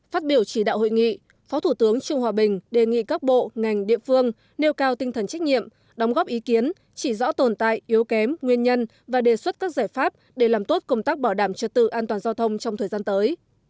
phát biểu chỉ đạo hội nghị phó thủ tướng trương hòa bình đề nghị các bộ ngành địa phương nêu cao tinh thần trách nhiệm đóng góp ý kiến chỉ rõ tồn tại yếu kém nguyên nhân và đề xuất các giải pháp để làm tốt công tác bảo đảm trật tự an toàn giao thông trong thời gian tới